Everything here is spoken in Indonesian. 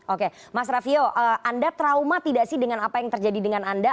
oke mas raffio anda trauma tidak sih dengan apa yang terjadi dengan anda